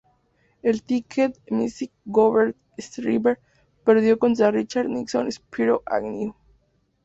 El ticket McGovern-Shriver perdió contra Richard Nixon Spiro Agnew.